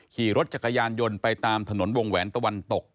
ขี่รถจักรยานยนต์ไปตามถนนวงแหวนตะวันตก